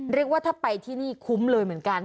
เรียกว่าถ้าไปที่นี่คุ้มเลยเหมือนกัน